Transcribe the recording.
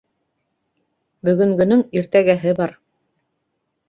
Бөгөнгөнөң иртәгәһе бар.